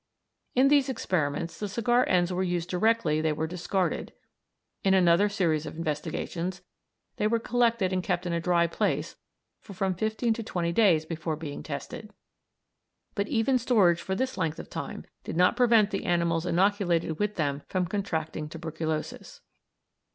In these experiments the cigar ends were used directly they were discarded, in another series of investigations they were collected and kept in a dry place for from fifteen to twenty days before being tested; but even storage for this length of time did not prevent the animals inoculated with them from contracting tuberculosis.